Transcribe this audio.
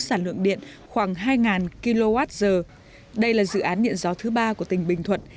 sản lượng điện khoảng hai kwh đây là dự án điện gió thứ ba của tỉnh bình thuận